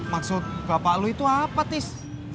maksud bapak lu itu apa tis